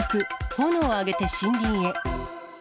炎を上げて森林へ。